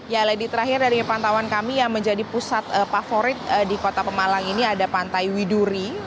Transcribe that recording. ya lady terakhir dari pantauan kami yang menjadi pusat favorit di kota pemalang ini ada pantai widuri